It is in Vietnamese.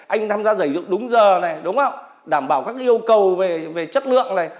anh tham gia giải dụng đúng giờ đảm bảo các yêu cầu về chất lượng